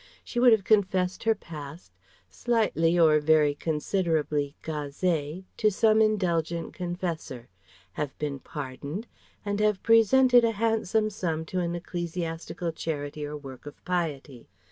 She would have confessed her past, slightly or very considerably gazée, to some indulgent confessor, have been pardoned, and have presented a handsome sum to an ecclesiastical charity or work of piety.